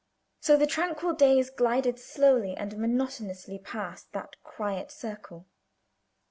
So the tranquil days glided slowly and monotonously past that quiet circle.